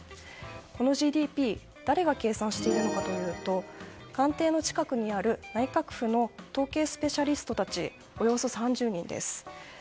このＧＤＰ誰が計算しているのかというと官邸の近くにある内閣府の統計スペシャリストたちおよそ３０人です。